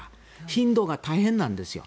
頻度が大変なんですよ。